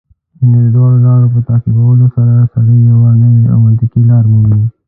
یعنې د دواړو لارو په تعقیبولو سره سړی یوه نوې او منطقي لار مومي.